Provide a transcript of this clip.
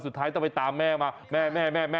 สุดท้ายต้องไปตามแม่มาแม่แม่